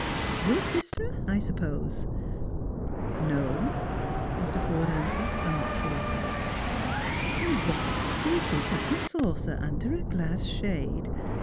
" Your sister, I suppose ?"•' No," Mr. Forde answered, somewhat shortly. " And what a pretty cup and saucer, under a glass shade